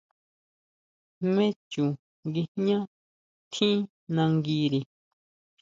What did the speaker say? ¿Jmé chu nguijñá tjín nanguiri?